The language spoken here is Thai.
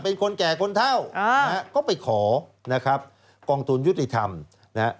เป็นคนแก่คนเท่านะฮะก็ไปขอนะครับกองทุนยุติธรรมนะฮะ